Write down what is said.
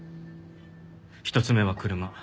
１つ目は車。